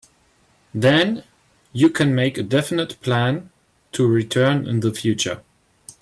Then, you can make a definite plan to return in the future.